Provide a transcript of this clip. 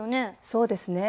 そうですね。